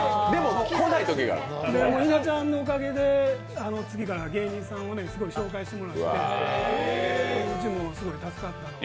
稲ちゃんのおかげで次から芸人さんを紹介してもらってうちもすごい助かったんです。